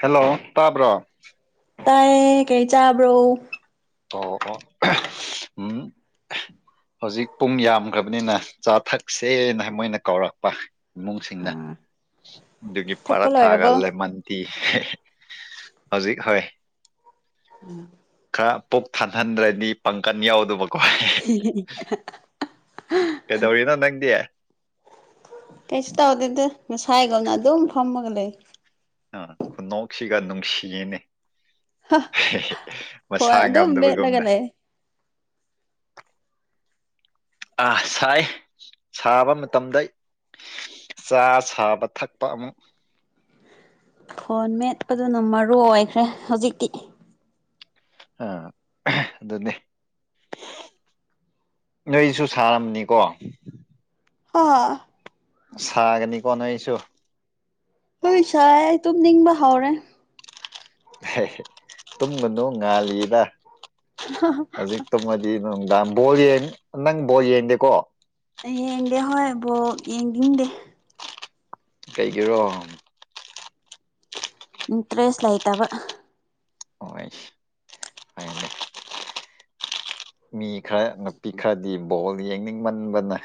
hello ꯇꯥꯕ꯭ꯔꯣ ꯇꯥꯏꯌꯦ ꯀꯩ ꯆꯥꯕ꯭ꯔꯣ ꯑꯣ ꯑꯣ ꯎꯝ ꯍꯧꯖꯤꯛ ꯄꯨꯡ ꯌꯥꯝꯈ꯭ꯔꯕꯅꯤꯅ ꯆꯥ ꯊꯛꯁꯦꯅ ꯃꯣꯏꯅ ꯀꯧꯔꯛꯄ ꯏꯃꯨꯡꯁꯤꯡꯅ ꯑꯗꯨꯒꯤ ꯊꯛꯄ ꯄꯔꯥꯊꯥꯒ ꯂꯣꯏꯔꯕꯣ ꯂꯦꯃꯟ ꯇꯤ ꯍ‌ꯦꯍ‌ꯦ ꯍꯧꯖꯤꯛ ꯍꯣꯏ ꯎꯝ ꯈꯔ ꯄꯨꯛ ꯊꯥꯟꯍꯟꯗ꯭ꯔꯅꯤ ꯄꯥꯡꯒꯟ ꯌꯥꯎꯗꯕꯀꯣ [unintelligible] ꯀꯦꯗꯧꯔꯤꯅꯣ ꯅꯪꯗꯤ ꯀꯩꯁꯨ ꯇꯧꯗꯦꯗ ꯉꯁꯥꯏꯒꯨꯝꯅ ꯑꯗꯨꯝ ꯐꯝꯃꯒ ꯂꯩ ꯑꯥ ꯈꯨꯅꯣꯛꯁꯤꯒ ꯅꯨꯡꯁꯤꯌꯦꯅꯦ ꯍ‌ꯦꯍ‌ꯦ ꯐꯣꯟ ꯃꯁꯥ ꯑꯗꯨꯝ ꯃꯦꯠꯂꯒ ꯉꯝꯗꯕꯒꯨꯝꯅ ꯂꯩ ꯑꯥ ꯁꯥꯏ ꯁꯥꯕ ꯃꯇꯝꯗ ꯆꯥ ꯁꯥꯕ ꯊꯛꯄ ꯑꯃꯨꯛ ꯐꯣꯟ ꯃꯦꯠꯄꯗꯨꯅ ꯃꯔꯨ ꯑꯣꯏꯈ꯭ꯔꯦ ꯍꯧꯖꯤꯛꯇꯤ ꯑ ꯑꯗꯨꯅ‌ꯦ ꯅꯣꯏꯁꯨ ꯁꯥꯔꯝꯅꯤꯀꯣ ꯍꯥ ꯁꯥꯒꯅꯤꯀꯣ ꯅ‌ꯣꯏꯁꯨ ꯅ‌ꯣꯏꯁ꯭ꯋꯥꯏ ꯑꯩ ꯇꯨꯝ ꯅꯤꯡꯕ ꯍꯧꯔꯦ ꯇꯨꯝꯒꯅꯨ ꯉꯥꯜꯂꯤꯗ ꯍꯧꯖꯤꯛ ꯇꯨꯝꯃꯗꯤ ꯅꯨꯡꯗꯥꯡ ꯕꯣꯜ ꯌꯦꯡ ꯅꯪ ꯕꯣꯜ ꯌꯦꯡꯗꯦꯀꯣ ꯍꯌꯦꯡꯗꯤ ꯍꯣꯏ ꯕꯣꯜ ꯌꯦꯡꯗꯤꯡꯗꯦ ꯀꯩꯒꯤꯔꯣ ꯏꯟꯇ꯭ꯔꯦꯁ ꯂꯩꯇꯕ ꯑꯣꯏꯁ ꯃꯤ ꯈꯔ ꯅꯨꯄꯤ ꯈꯔꯗꯤ ꯕꯣꯜ ꯌꯦꯡꯅꯤꯡꯃꯟꯕꯅ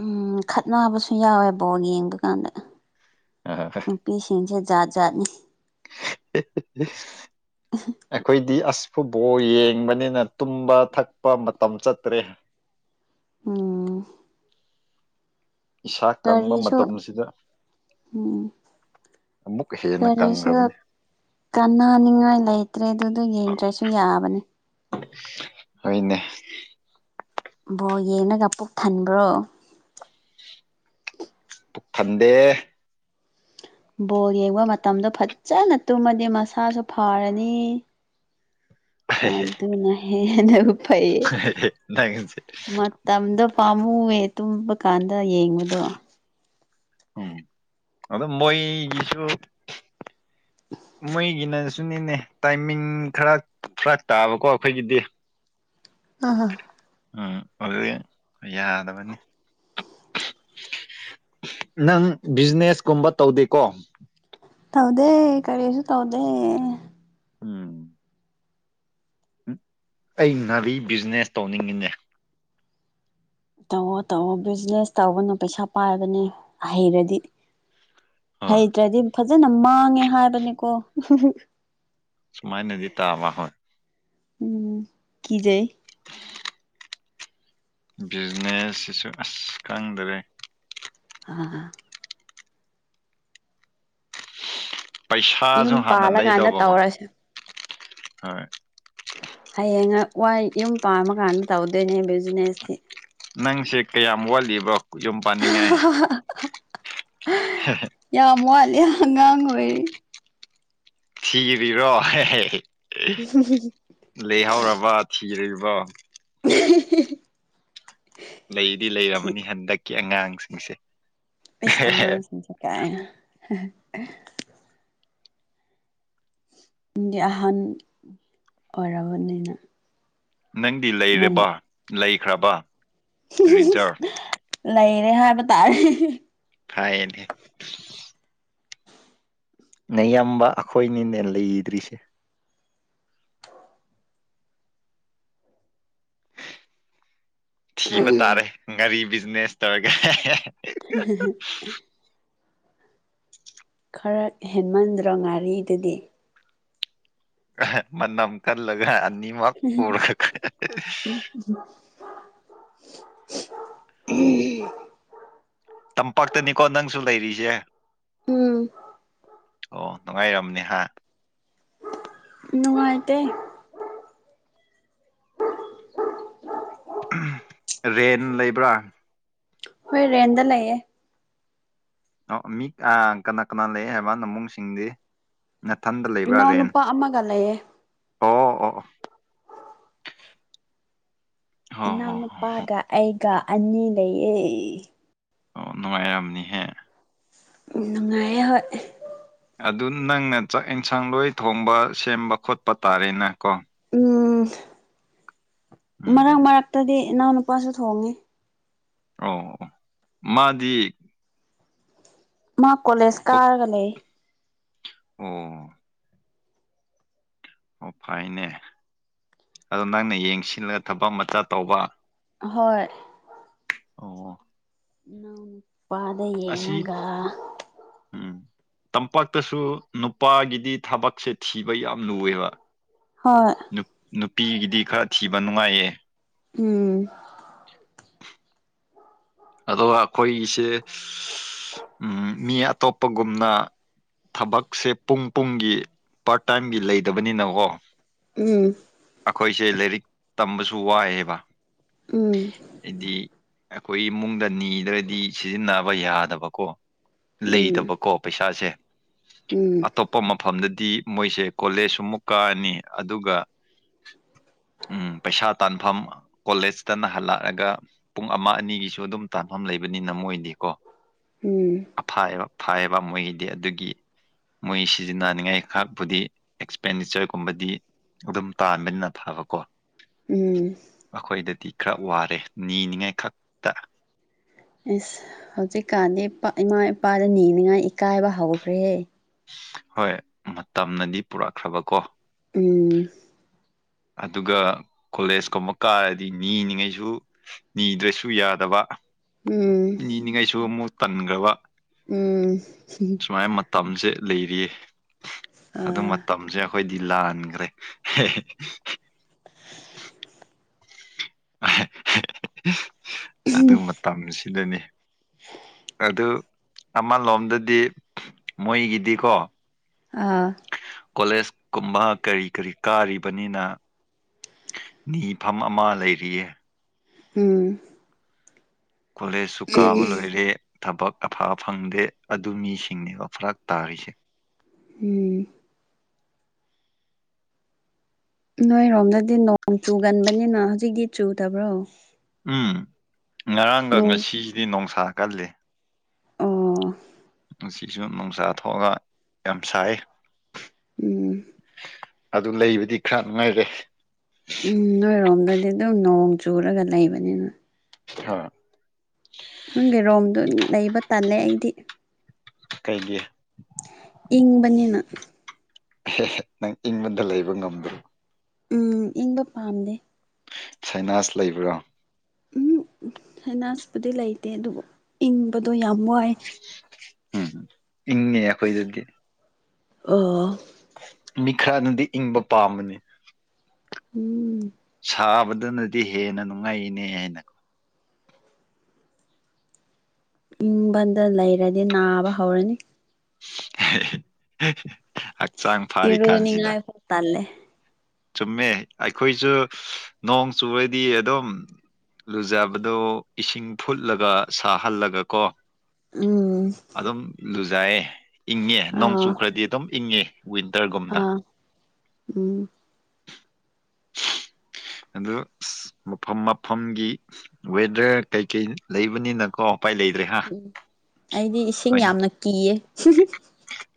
ꯎꯝ ꯈꯠꯅꯕꯁꯨ ꯌꯥꯎꯋꯦ ꯕꯣꯜ ꯌꯦꯡꯕ ꯀꯥꯟꯗ ꯑ [unintelligible] ꯅꯨꯄꯤꯁꯤꯡꯁꯦ ꯖꯥꯠ ꯖꯥꯠꯅꯤ ꯑꯩꯈꯣꯏꯗꯤ ꯑꯁ ꯐꯨꯠꯕꯣꯜ ꯌꯦꯡꯕꯅꯤꯅ ꯇꯨꯝꯕ ꯊꯛꯄ ꯃꯇꯝ ꯆꯠꯇ꯭ꯔꯦ ꯎꯝ ꯏꯁꯥ ꯀꯪꯕ ꯀꯔꯤꯁꯨ ꯃꯇꯝꯁꯤꯗ ꯎꯝ ꯑꯃꯨꯛꯀ ꯍꯦꯟꯅ ꯀꯪꯈ꯭ꯔꯕꯅꯤ ꯀꯅꯥꯅꯤꯡꯉꯥꯏ ꯂꯩꯇ꯭ꯔꯦ ꯑꯗꯨꯗꯨꯒꯤ ꯏꯟꯇ꯭ꯔ‌ꯦꯁꯁꯨ ꯌꯥꯕꯅꯤ ꯍ‌ꯣꯏꯅꯦ ꯕꯣꯜ ꯌꯦꯡꯂꯒ ꯄꯨꯛ ꯊꯟꯕ꯭ꯔꯣ ꯄꯨꯛ ꯊꯟꯗꯦ ꯕꯣꯜ ꯌꯦꯡꯕ ꯃꯇꯝꯗ ꯐꯖꯅ ꯇꯨꯝꯃꯗꯤ ꯃꯁꯥꯁꯨ ꯐꯔꯅꯤ [unintelligible] ꯑꯗꯨ‌ꯅ‌ꯦ ꯑꯗꯨ ꯐꯩ ꯅꯪꯁꯦ ꯃꯇꯝꯗ‌ꯣ ꯄꯥꯝꯃꯨꯑ ꯑꯗꯨꯨꯝ ꯕꯀꯥꯟꯗ ꯌꯦꯡꯉꯨꯗ ꯎ ꯑꯗꯣ ꯃꯣꯏꯒꯤꯁꯨ ꯃꯣꯏꯒꯤꯅ ꯁꯨꯅꯤꯅꯦ ꯇꯥꯏꯃꯤꯡ ꯈꯔ ꯈꯔ ꯇꯥꯕꯀꯣ ꯑꯩꯈꯣꯏꯒꯤꯗꯤ ꯑ ꯎꯝ ꯑꯗꯨꯗꯤ ꯌꯥꯗꯕꯅꯤ ꯅꯪ ꯕꯤꯖꯤꯅꯦꯁꯀꯨꯝꯕ ꯇꯧꯗꯦꯀꯣ ꯇꯧꯗꯦ ꯀꯔꯤꯁꯨ ꯇꯧꯗꯦ ꯎꯝ ꯑꯩ ꯅꯥꯕꯤ ꯕꯤꯖꯤꯅꯦꯁ ꯇꯧꯅꯤꯡꯉꯤꯅꯦ ꯇꯧꯑꯣꯣ ꯇꯧꯑꯣꯣ ꯕꯤꯖꯤꯅꯦꯁ ꯇꯧꯕꯅꯣ ꯄꯩꯁꯥ ꯄꯥꯏꯕꯅꯦ ꯍꯍꯩꯔꯗꯤ ꯍꯣꯏ ꯍꯩꯇ꯭ꯔꯗꯤ ꯐꯖꯅ ꯃꯥꯡꯉꯦ ꯍꯥꯏꯕꯅꯤꯀꯣ ꯁꯨꯃꯥꯏꯅꯗꯤꯇꯥ ꯑ ꯍ ꯎꯝ ꯀꯖꯦ ꯕꯤꯖꯤꯅꯦꯁꯁꯤꯁꯨ ꯑꯁ ꯈꯪꯗꯔꯦ ꯑꯗꯨꯒꯅ ꯌꯨꯝ ꯄꯩꯁꯥꯁꯨ ꯍꯥꯟꯅ ꯄꯥꯜꯂꯀꯥꯟꯗ ꯂꯩꯗꯧꯕꯀꯣ ꯇꯧꯔꯁꯦ ꯍꯣꯏ ꯍꯌꯦꯡ ꯋꯥ ꯌꯨꯝ ꯄꯥꯃ ꯀꯥꯟꯗ ꯇꯧꯗꯣꯏꯅꯦ ꯕꯤꯖꯤꯅꯦꯁꯇꯤ ꯅꯪꯁꯦ ꯀꯌꯥꯝ ꯋꯥꯠꯂꯤꯕ ꯈꯨꯝ ꯄꯥꯅꯤꯡꯦ [unintelligible] ꯍꯣꯏ ꯍꯣꯏ ꯌꯥꯝ ꯋꯥꯠꯂꯦ ꯑꯉꯥꯡ ꯑꯣꯏꯔꯦ ꯊꯤꯔꯤꯔꯣ ꯎ ꯂꯩꯍꯧꯔꯕ ꯊꯤꯔꯤꯕ [unintelligible] ꯂꯩꯗꯤ ꯊꯤ ꯂꯩꯔꯝꯃꯅꯤ ꯍꯟꯗꯛꯀꯤ ꯑꯉꯥꯡꯁꯤꯡꯁꯦ ꯄꯤꯁ ꯑꯉꯥꯡꯁꯤꯡꯁꯦ ꯀꯥꯏ ꯗꯤ ꯑꯍꯟ ꯑꯣꯏꯔꯕꯅꯤꯅ ꯅꯪꯗꯤ ꯂꯩꯔꯦꯕ ꯑꯩꯉꯣꯟꯗ ꯂꯩꯈ꯭ꯔꯕ ꯔꯤꯖꯥꯔ ꯂꯩꯔꯦ ꯍꯥꯏꯕ ꯇꯥꯔꯦ ꯍꯥꯏꯌꯦꯟ ꯗꯦ ꯅꯌꯥꯝꯕ ꯑꯩꯈꯣꯏꯅꯤꯅꯦ ꯂꯩꯗ꯭ꯔꯤꯁꯦ ꯊꯤꯕ ꯇꯥꯔꯦ ꯉꯥꯔꯤ ꯕꯤꯖꯤꯅꯦꯁ ꯇꯧꯔꯒ ꯎ ꯍꯝ ꯈꯔ ꯍꯦꯟꯃꯟꯗ꯭ꯔ ꯉꯥꯔꯤꯗꯨꯗꯤ ꯑꯥꯍꯥ ꯃꯅꯝ ꯀꯜꯂꯒ ꯑꯅꯤꯃꯛ ꯎꯝ ꯄꯨꯔꯒ ꯎꯝ [unintelligible] ꯎꯝ [unintelligible] ꯇꯝꯄꯥꯛꯇꯅꯤꯀꯣ ꯅꯪꯁꯨ ꯂꯩꯔꯤꯁꯦ ꯎꯝ ꯑꯣ ꯅꯨꯡꯉꯥꯏꯔꯝꯅꯦ ꯍꯥ ꯅꯨꯡꯉꯥꯏꯇꯦ ꯔꯦꯟ ꯂꯩꯕ꯭ꯔꯥ ꯍꯣꯏ ꯔꯦꯟꯗ ꯂꯩꯌꯦ ꯑꯣ ꯃꯤ ꯀꯅꯥ ꯀꯅꯥ ꯂꯩ ꯍꯥꯏꯕ ꯅꯃꯨꯡꯁꯤꯡꯗꯤ ꯃꯊꯟꯗ ꯂꯩꯕ꯭ꯔꯥ ꯔꯦꯟ ꯏꯅꯥꯎꯅꯨꯄꯥ ꯑꯃꯒ ꯂꯩꯌꯦ ꯑꯣ ꯑꯣ ꯑꯣ ꯍꯣ ꯏꯅꯥꯎ ꯍꯣ ꯍꯣ ꯍꯣ ꯅꯨꯄꯥꯒ ꯑꯩꯒ ꯑꯅꯤ ꯂꯩꯌꯦ ꯑꯣ ꯅꯨꯡꯉꯥꯏꯔꯝꯅꯤꯍꯦ ꯅꯨꯡꯉꯥꯏꯔꯦ ꯍꯣꯏ ꯑꯗꯨ ꯅꯪꯅ ꯆꯥꯛ ꯌꯦꯟꯁꯥꯡ ꯂꯣꯏ ꯊꯣꯡꯕ ꯁꯦꯝꯕ ꯈꯣꯠꯄ ꯇꯥꯔꯦꯅꯦ ꯀꯣ ꯎꯝ ꯃꯔꯛ ꯎꯝ ꯃꯔꯛꯇꯗꯤ ꯏꯅꯥꯎ ꯅꯨꯄꯥꯁꯨ ꯊꯣꯡꯉꯤ ꯑꯣ ꯃꯥꯗꯤ ꯃꯥ ꯀꯣꯂꯦꯖ ꯀꯣꯛ ꯀꯥꯔꯒ ꯂꯩ ꯑꯣ ꯑꯣ ꯐꯩꯅꯦ ꯑꯗꯣ ꯅꯪꯅ ꯌꯦꯡꯁꯤꯜꯂꯒ ꯊꯕꯛ ꯃꯆꯥ ꯇꯧꯕ ꯍꯣꯏ ꯑꯣ ꯏꯅꯥꯎ ꯅꯨꯄꯥ ꯗꯥ ꯑꯁꯤ ꯌꯦꯟꯉꯥꯒ ꯎꯝ ꯇꯝꯄꯥꯛꯇꯁꯨ ꯅꯨꯄꯥꯒꯤꯗꯤ ꯊꯕꯛꯁꯦ ꯊꯤꯕ ꯌꯥꯝ ꯂꯨꯋꯦꯕ ꯍꯣꯏ ꯅꯨꯄꯤꯒꯤꯗꯤ ꯈꯔ ꯊꯤꯕ ꯅꯨꯡꯉꯥꯏꯌꯦ ꯎꯝ ꯑꯗꯣ ꯑꯩꯈꯣꯏꯒꯤꯁꯦ ꯎꯝ ꯃꯤ ꯑꯇꯣꯞꯄꯒꯨꯝꯅ ꯊꯕꯛꯁꯦ ꯄꯨꯡ ꯄꯨꯡꯒꯤ ꯄꯥꯔꯠ ꯇꯥꯏꯝꯒꯤ ꯂꯩꯇꯕꯅꯤꯅꯀꯣ ꯎꯝ ꯑꯩꯈꯣꯏꯁꯦ ꯂꯥꯏꯔꯤꯛ ꯇꯝꯕꯁꯨ ꯋꯥꯏꯑꯦꯕ ꯎꯝ ꯍꯥꯏꯗꯤ ꯑꯩꯈꯣꯏ ꯏꯃꯨꯡꯗ ꯅꯤꯗ꯭ꯔꯗꯤ ꯁꯤꯖꯤꯟꯅꯕ ꯌꯥꯗꯕꯀꯣ ꯎꯝ ꯂꯩꯇꯥꯕꯀꯣ ꯄꯩꯁꯥꯁꯦ ꯎꯝ ꯑꯇꯣꯞꯄ ꯃꯐꯝꯗ ꯗꯤ ꯃꯣꯏꯁꯦ ꯀꯣꯂꯦꯖꯁꯨꯃꯨꯛ ꯀꯔ꯭ꯅꯤ ꯑꯗꯨꯒ ꯎꯝ ꯄꯩꯁꯥ ꯇꯥꯟꯐꯝ ꯀꯣꯂꯦꯖꯇꯅ ꯍꯜꯂꯛꯑꯒ ꯄꯨꯡ ꯑꯃꯥ ꯑꯅꯤꯒꯤ ꯑꯗꯣ ꯑꯗꯨꯝ ꯇꯥꯟꯐꯝ ꯂꯩꯕꯅꯤꯅ ꯃꯣꯏꯗꯤ ꯀꯣ ꯎꯝ ꯑꯐꯥꯏꯕ ꯐꯥꯏꯕ ꯃꯣꯢꯒꯤꯗꯤ ꯑꯗꯨꯒꯤ ꯃꯣꯏ ꯁꯤꯖꯤꯟꯅꯅꯤꯡꯉꯥꯏ ꯈꯥꯛꯄꯨꯗꯤ ꯑꯦꯛꯁꯄꯦꯟꯗꯤꯆꯔ ꯒꯨꯝꯕꯗꯤ ꯑꯗꯨꯝ ꯇꯥꯟꯕꯅꯤꯅ ꯐꯕꯀꯣ ꯎꯝ ꯑꯩꯈꯣꯏꯗꯗꯤ ꯈꯔ ꯋꯥꯔꯦ ꯅꯤꯅꯤꯉꯥꯏ ꯈꯛꯇ ꯑꯦꯁ ꯍꯧꯖꯤꯛꯀꯥꯟꯗꯤ ꯏꯃꯥ ꯏꯄꯥꯗ ꯅꯅꯤꯅꯤꯡꯉꯥꯏ ꯏꯀꯥꯏꯕ ꯍꯧꯈ꯭ꯔꯦꯍ ꯍꯣꯏ ꯃꯇꯝꯅꯗꯤ ꯄꯨꯔꯛꯈ꯭ꯔꯕꯀꯣ ꯎꯝ ꯑꯗꯨꯒ ꯀꯣꯂꯦꯖꯀꯨꯝꯕ ꯀꯥꯔꯗꯤ ꯅꯤꯅꯤꯉꯩꯁꯨ ꯅꯤꯗ꯭ꯔꯁꯨ ꯌꯥꯗꯕ ꯎꯝ ꯅꯤꯅꯤꯡꯉꯥꯏꯁꯨ ꯑꯃꯨꯛ ꯇꯟꯈ꯭ꯔꯕ ꯎꯝ ꯁꯨꯃꯥꯏꯅ ꯃꯇꯝꯁꯦ ꯂꯩꯔꯤꯌꯦ ꯑꯗꯨ ꯑꯥ ꯃꯇꯝꯁꯦ ꯑꯩꯈꯣꯏꯗꯤ ꯂꯥꯟꯈ꯭ꯔꯦ ꯑꯗꯨ ꯃꯇꯝꯁꯤꯗꯅꯤ ꯑꯗꯨ ꯑꯃ ꯂꯣꯝꯗꯗꯤ ꯃꯣꯏꯒꯤꯗꯤꯀꯣ ꯑꯥ ꯀꯣꯂꯦꯖ ꯀꯨꯝꯕ ꯀꯔꯤ ꯀꯔꯤ ꯀꯥꯔꯤꯕꯅꯤꯅ ꯅꯤꯐꯝꯝ ꯑꯃ ꯂꯩꯔꯤꯌꯦ ꯎꯝ ꯀꯣꯂꯦꯁꯨ ꯀꯥꯕ ꯂꯣꯏꯔꯦ ꯊꯕꯛ ꯑꯐ ꯐꯪꯗꯦ ꯑꯗꯨ ꯃꯤꯁꯤꯡꯅꯦꯕ ꯐꯔꯥꯛ ꯇꯥꯔꯤꯁꯦ ꯎꯝ ꯅꯣꯏꯔꯣꯝꯗꯗꯤ ꯅꯣꯡ ꯆꯨꯒꯟꯕꯅꯤꯅ ꯍꯧꯖꯤꯛꯇꯤ ꯆꯨꯗꯕ꯭ꯔꯣ ꯎꯝ ꯉꯔꯥꯡꯒ ꯅꯣꯡ ꯉꯁꯤꯁꯤꯗꯤ ꯣꯡꯁꯥ ꯀꯜꯂꯤ ꯑ ꯉꯁꯤꯁꯨ ꯅꯨꯡꯁꯥ ꯊꯣꯛꯑꯒ ꯌꯥꯝ ꯁꯥꯏ ꯎꯝ ꯑꯗꯨ ꯂꯩꯕꯗꯤ ꯈꯔ ꯅꯨꯡꯉꯥꯏꯔꯦ ꯎꯝ ꯅꯣꯏꯔꯣꯝꯗꯗꯤ ꯑꯗꯨꯝ ꯅꯣꯡ ꯆꯨꯔꯒ ꯂꯩꯕꯅꯤꯅ ꯑ ꯅꯪꯒꯤ ꯔꯣꯝꯗ ꯂꯩꯕ ꯇꯜꯂꯦ ꯑꯩꯗꯤ ꯀꯩꯒꯤ ꯏꯪꯕꯅꯤꯅ ꯑꯦ ꯅꯪ ꯏꯪꯕꯗ ꯂꯩꯕ ꯉꯝꯗ꯭ꯔꯣ ꯎꯝ ꯏꯪꯕ ꯄꯥꯝꯗꯦ ꯁꯥꯏꯅꯥꯁ ꯂꯩꯕ꯭ꯔꯥ ꯎꯝ ꯍꯥꯏꯅꯥꯁꯄꯨꯗꯤ ꯂꯩꯇꯦ ꯑꯗꯨꯕꯨ ꯏꯪꯕꯗꯣ ꯌꯥꯝ ꯋꯥꯏ ꯎꯝ ꯏꯪꯉꯦ ꯑꯩꯈꯣꯏꯗꯗꯤ ꯑꯥ ꯃꯤ ꯈꯔꯅꯗꯤ ꯏꯪꯕ ꯄꯥꯝꯕꯅꯤ ꯎꯝ ꯁꯥꯕꯗꯨꯅꯗꯤ ꯍꯦꯟꯅ ꯅꯨꯡꯉꯥꯏꯅꯦ ꯍꯥꯏꯅꯣ ꯏꯪꯕꯟꯗ ꯂꯩꯔꯗꯤ ꯅꯥꯕ ꯍꯧꯔꯅꯤ ꯍꯛꯆꯥꯡ ꯐꯥꯔꯤꯀꯥꯟꯁꯤꯗ ꯏꯔꯨꯅꯤꯡꯉꯥꯏ [unintelligible] ꯆꯨꯝꯃꯦ ꯑꯩꯈꯣꯏꯁꯨ ꯅꯣꯡ ꯆꯨꯕꯗꯤ ꯑꯗꯨꯝ ꯂꯨꯖꯕꯗꯣ ꯏꯁꯤꯡ ꯐꯨꯠꯂꯒ ꯁꯥꯍꯜꯂꯒ ꯀꯣ ꯎꯝ ꯑꯗꯨꯝ ꯂꯨꯖꯥꯏꯌꯦ ꯏꯪꯉꯦ ꯑꯥ ꯅꯣꯡꯆꯨꯈ꯭ꯔꯗꯤ ꯑꯗꯨꯝ ꯏꯪꯉꯦ ꯋꯟꯇꯔꯒ ꯑꯥ ꯎꯝ ꯑ ꯃꯐꯝ ꯃꯐꯝꯒꯤ ꯋꯦꯗꯔ ꯀꯩꯀꯩ ꯂꯩꯕꯅꯤꯅꯀꯣ ꯎꯄꯥꯏ ꯂꯩꯇ꯭ꯔꯦ ꯍꯥꯏ ꯑꯩꯗꯤ ꯏꯁꯤꯡ ꯌꯥꯝꯅ ꯀꯤꯌꯦ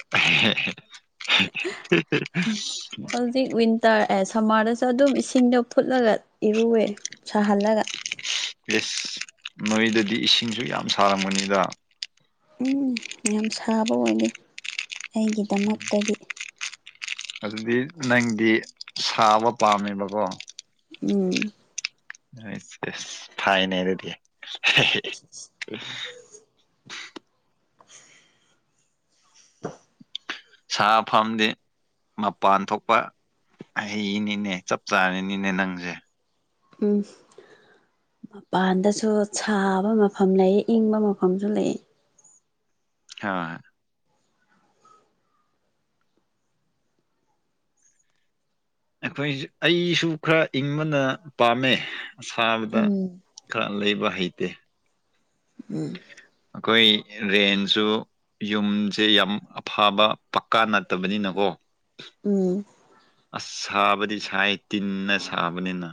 [unintelligible] ꯍꯧꯖꯤꯛ ꯋꯤꯟꯇꯔ ꯑꯦ ꯁꯝꯃꯔꯗꯁꯨ ꯑꯗꯨꯝ ꯏꯁꯤꯡꯗꯣ ꯐꯨꯠꯂꯒ ꯏꯔꯨꯑꯦ ꯁꯥꯍꯜꯂꯒ ꯄꯁ ꯅꯣꯏꯗꯗꯤ ꯏꯁꯤꯡꯁꯨ ꯌꯥꯝ ꯁꯥꯔꯝꯝꯕꯅꯤꯗ ꯎꯝ ꯌꯥꯝ ꯁꯥꯕ ꯑꯣꯏꯗꯦ ꯑꯩꯒꯤꯗꯃꯛꯇꯗꯤ ꯑꯗꯨꯗꯤ ꯅꯪꯗꯤ ꯁꯥꯕ ꯄꯥꯝꯃꯦꯕꯀꯣ ꯎꯝ ꯊꯥꯏꯅꯦ ꯑꯗꯨꯗꯤ [unintelligible] ꯑ ꯁꯥꯐꯝꯗꯤ ꯃꯄꯥꯟ ꯊꯣꯛꯄ ꯑꯩꯅꯤꯅꯦ ꯆꯞ ꯆꯥꯔꯅꯤꯅꯦ ꯅꯪꯁꯦ ꯎꯝ ꯃꯄꯥꯟꯗꯁꯨ ꯁꯥꯕ ꯃꯐꯝ ꯂꯩ ꯏꯪꯕ ꯃꯐꯝꯁꯨ ꯂꯩꯌꯦ ꯍ ꯑꯩꯈꯣꯏ ꯑꯩꯁꯨ ꯈꯔ ꯏꯪꯕꯅ ꯄꯥꯝꯃꯦ ꯁꯥꯥꯕꯗ ꯎꯝ ꯈꯔ ꯂꯩꯕ ꯍꯩꯇꯦ ꯎꯝ ꯑꯩꯈꯣꯏ ꯔꯦꯟꯁꯨ ꯌꯨꯝꯁꯦ ꯌꯥꯝ ꯑꯐꯕ ꯄꯀꯥ ꯅꯠꯇꯕꯅꯤꯅꯀꯣ ꯎꯝ ꯑꯁ ꯁꯥꯕꯗꯤ ꯁꯥꯏ ꯇꯤꯟꯅ ꯁꯥꯕꯅꯤꯅ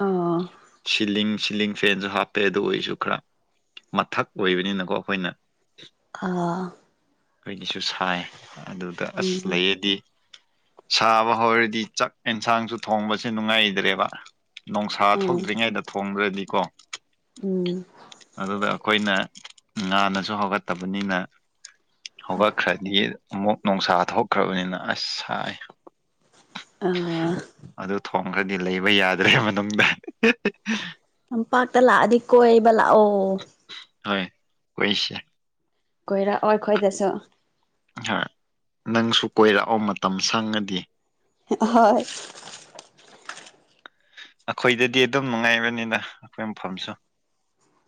ꯑ ꯁꯤꯂꯤꯡ ꯁꯤꯂꯤꯡ ꯐꯦꯟꯁꯨ ꯍꯥꯞꯄꯦꯗꯣ ꯑꯣꯏꯁꯨ ꯈꯔ ꯃꯊꯛ ꯑꯣꯏꯕꯅꯤꯅꯀꯣ ꯑꯈꯣꯏꯅ ꯑꯥ ꯑꯩꯒꯤꯁꯨ ꯁꯥꯏ ꯑꯗꯨꯗ ꯑꯁ ꯎꯝ ꯂꯩꯌꯦꯗꯤ ꯁꯥꯕ ꯍꯧꯔꯗꯤ ꯆꯥꯛ ꯑꯦꯟꯁꯥꯡꯁꯨ ꯊꯣꯡꯕꯁꯦ ꯅꯨꯡꯉꯥꯏꯗ꯭ꯔꯦꯕ ꯅꯣꯡꯁꯥ ꯑꯥ ꯊꯣꯛꯇ꯭ꯔꯤꯉꯩꯗ ꯊꯣꯡꯗ꯭ꯔꯗꯤꯀꯣ ꯎꯝ ꯑꯗꯨꯗ ꯑꯩꯈꯣꯏꯅ ꯉꯥꯟꯅꯁꯨ ꯍꯧꯒꯠꯇꯕꯅꯤꯅ ꯍꯧꯒꯠꯈ꯭ꯔꯗꯤ ꯑꯃꯨꯛ ꯅꯨꯡꯁꯥ ꯊꯣꯛꯈ꯭ꯔꯕꯅꯤꯅ ꯑꯁ ꯁꯥꯏ ꯑꯣ ꯑꯗꯨ ꯊꯣꯡꯈ꯭ꯔꯗꯤ ꯂꯩꯕ ꯌꯥꯗ꯭ꯔꯦ ꯃꯅꯨꯡꯗ ꯇꯝꯄꯥꯛꯇ ꯂꯥꯛꯑꯗꯤ ꯀꯣꯏꯕ ꯂꯥꯛꯑꯣ ꯍꯣꯢ ꯀꯣꯢꯁꯦ ꯀꯣꯏꯔꯛꯑꯣ ꯑꯩꯈꯣꯏꯗꯁꯨ ꯅꯪꯁꯨ ꯀꯣꯏꯔꯛꯑꯣ ꯃꯇꯝ ꯁꯪꯉꯗꯤ ꯍꯣꯏ ꯑꯩꯈꯣꯏꯗꯗꯤ ꯑꯗꯨꯝ ꯅꯨꯡꯉꯥꯏꯕꯅꯤꯅ ꯑꯩꯈꯣꯏ ꯃꯐꯝꯁꯨ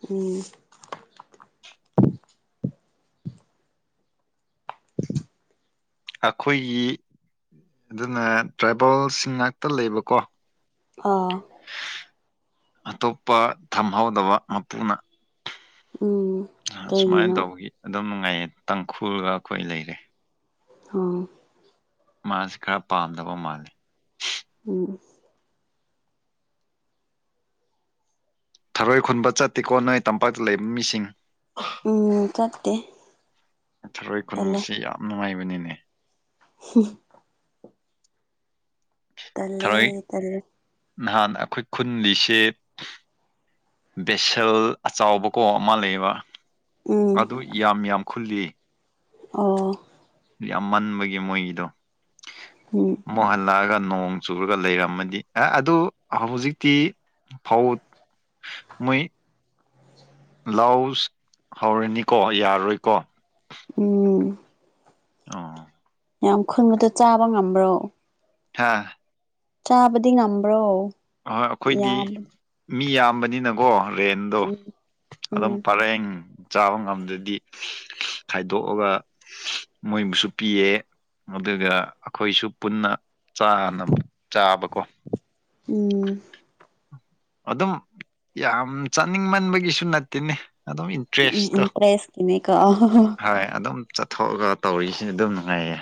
ꯎꯝ ꯑꯩꯈꯣꯏꯒꯤ ꯑꯗꯨꯅ ꯇ꯭ꯔꯥꯏꯕꯦꯜꯁꯤꯡ ꯉꯥꯛꯇ ꯂꯩꯕꯀꯣ ꯑꯣ ꯑꯇꯣꯞꯄ ꯊꯝꯍꯧꯗꯕ ꯃꯄꯨꯅ ꯎꯝ ꯁꯨꯃꯥꯏꯅ ꯀꯩꯒꯤꯅꯣ ꯇꯧꯕꯒꯤ ꯑꯗꯨꯝ ꯅꯨꯡꯉꯥꯏꯌꯦ ꯇꯥꯡꯈꯨꯒ ꯑꯩꯈꯣꯏ ꯂꯩꯔꯦ ꯑꯣ ꯃꯥꯁꯤ ꯈꯔ ꯄꯥꯝꯗꯕ ꯃꯥꯜꯂꯤ ꯎꯝ ꯊꯔꯣꯏ ꯈꯨꯟꯕ ꯆꯠꯇꯦꯀꯣ ꯅꯣꯏ ꯇꯝꯄꯥꯛꯇ ꯂꯩꯕ ꯃꯤꯁꯤꯡ ꯎꯝ ꯆꯠꯇꯦ ꯊꯔꯣꯏ ꯇꯜꯂꯦ ꯈꯨꯟꯕꯁꯤ ꯌꯥꯝ ꯅꯨꯡꯉꯥꯏꯕꯅꯤꯅꯦ [unintelligible] ꯇꯂꯦ ꯊꯔꯣꯏ ꯇꯂꯦ ꯅꯍꯥꯟ ꯑꯩꯈꯣꯏ ꯈꯨꯜꯂꯤꯁꯦ ꯕꯦꯁꯜ ꯑꯆꯥꯎꯕꯀꯣ ꯑꯃ ꯂꯩꯕ ꯎꯝ ꯑꯗꯨ ꯌꯥꯝ ꯌꯥꯝ ꯈꯨꯜꯂꯤ ꯑꯣ ꯌꯥꯝ ꯃꯟꯕꯒꯤ ꯃꯣꯏꯒꯤꯗꯣ ꯎꯝ ꯃꯨꯍꯜꯂꯛꯑꯒ ꯅꯣꯡ ꯆꯨꯔꯒ ꯂꯩꯔꯝꯃꯗꯤ ꯑꯦ ꯑꯗꯨ ꯍꯧꯖꯤꯛꯇꯤ ꯐꯧ ꯃꯣꯏ ꯂꯥꯎ ꯍꯧꯔꯅꯤꯀꯣ ꯌꯥꯔꯣꯏꯀꯣ ꯎꯝ ꯑꯣ ꯌꯥꯝ ꯈꯨꯟꯕꯗꯣ ꯆꯥꯕ ꯉꯝꯕ꯭ꯔꯣ ꯍꯥꯥ ꯆꯥꯕꯗꯤ ꯉꯝꯕ꯭ꯔꯣ ꯍꯣꯏ ꯑꯈꯣꯏꯗꯤ ꯌꯥꯝꯕ ꯃꯤ ꯌꯥꯝꯕꯅꯤꯅꯀꯣ ꯔꯦꯟ ꯑꯗꯣ ꯎꯝ ꯎꯝ ꯑꯗꯨꯝ ꯄꯔꯦꯡ ꯆꯥꯕ ꯉꯝꯗ꯭ꯔꯗꯤ ꯈꯥꯏꯗꯣꯛꯑꯒ ꯃꯣꯏꯕꯨꯁꯨ ꯄꯤꯌꯦ ꯑꯗꯨꯒ ꯑꯩꯈꯣꯏꯁꯨ ꯄꯨꯟꯅ ꯆꯥꯕꯀꯣ ꯎꯝ ꯑꯗꯨꯝ ꯌꯥꯝ ꯆꯥꯅꯤꯡꯃꯟꯕꯒꯤꯁꯨ ꯅꯠꯇꯦꯅꯦ ꯑꯗꯨꯝ ꯎꯝ ꯏꯟꯇꯔꯦꯁꯇꯣ ꯇ꯭ꯔꯦꯁꯀꯤꯅꯦ ꯑꯗꯨꯝ ꯆꯠꯊꯣꯛꯑꯒ ꯇꯧꯔꯤꯁꯤ ꯑꯗꯨꯝ ꯅꯨꯡꯉꯥꯏꯌꯦ